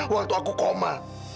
waktu aku koma